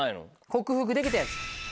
克服できたやつ。